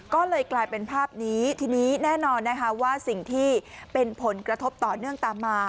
ก็เลยกลายเป็นภาพนี้ทีนี้แน่นอนนะคะว่าสิ่งที่เป็นผลกระทบต่อเนื่องตามมา